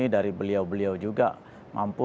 dari beliau beliau juga mampu